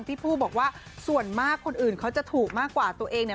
ผู้บอกว่าส่วนมากคนอื่นเขาจะถูกมากกว่าตัวเองเนี่ย